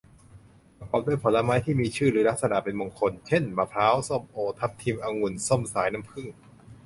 ประกอบด้วยผลไม้ที่มีชื่อหรือลักษณะเป็นมงคล เช่น มะพร้าว ส้มโอ ทับทิม องุ่น ส้มสายน้ำผึ้ง